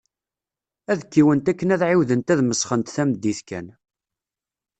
Ad kiwent akken ad ɛiwdent ad mesxent tameddit kan.